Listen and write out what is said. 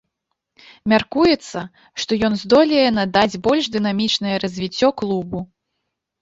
Мяркуецца, што ён здолее надаць больш дынамічнае развіццё клубу.